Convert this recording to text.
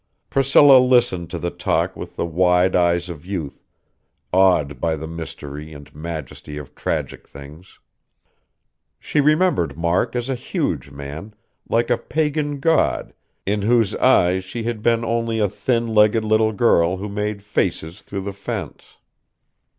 Priscilla listened to the talk with the wide eyes of youth, awed by the mystery and majesty of tragic things. She remembered Mark as a huge man, like a pagan god, in whose eyes she had been only a thin legged little girl who made faces through the fence....